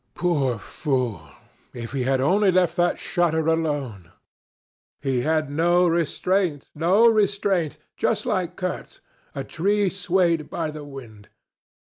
"Poor fool! If he had only left that shutter alone. He had no restraint, no restraint just like Kurtz a tree swayed by the wind.